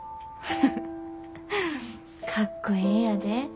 フフかっこええんやで。